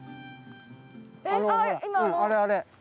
あ、あれあれ！